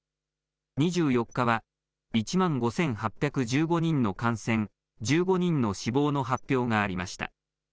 ２４日は１万５８１５人の感染、１５人の死亡の発表がありました。